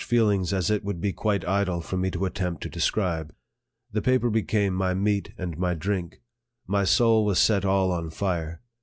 117 feelings as it would be quite idle for me to attempt to describe. The paper became my meat and my drink. My soul was set all on fire.